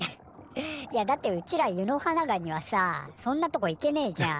いやだってうちらユノハナガニはさそんなとこ行けねえじゃん。